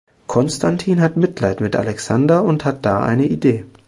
Konstantin hat Mitleid mit Alexander und hat da eine Idee.